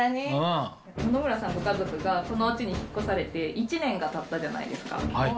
野々村さんのご家族が、このうちに引っ越されて１年がたったじゃないですか。